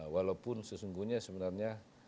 walaupun sesungguhnya sebenarnya